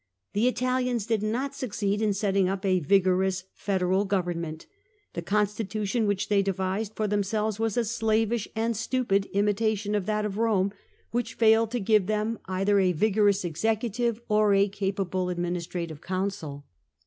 The Italians did not succeed in sottiug up a vigorous federal government : the cousti tntiori which they devised for themselves was a slavish and stnpid iimtatiou of that of Rdiii6j which failed to give THE ITALIANS OBTAIN THE FRANCHISE in them either a vigorous esecutive or a capable administra tive council.